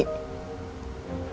dia udah punya anak